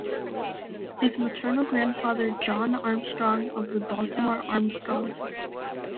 His maternal grandfather John Armstrong of the Baltimore Armstrongs.